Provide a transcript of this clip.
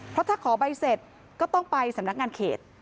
เพราะถ้าขอใบเสร็จก็ต้องไปสำนักงานเขต